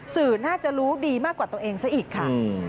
สื่อน่าจะรู้ดีมากกว่าตัวเองซะอีกค่ะ